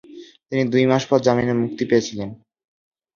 তিনি দুই মাস পর জামিনে মুক্তি পেয়েছিলেন।